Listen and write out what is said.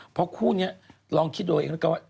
เพราะคู่เนี่ยลองคิดโดยเองก็ว่า